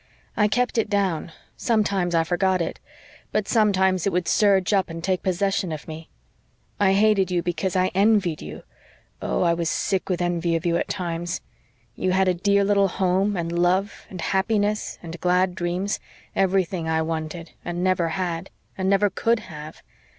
I kept it down sometimes I forgot it but sometimes it would surge up and take possession of me. I hated you because I ENVIED you oh, I was sick with envy of you at times. You had a dear little home and love and happiness and glad dreams everything I wanted and never had and never could have.